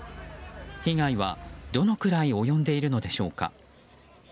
被害は、どのくらい及んでいるのでしょうか。